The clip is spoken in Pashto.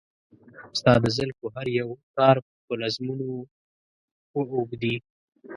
ستا د زلفو هر يو تار په نظمونو و اوبدي .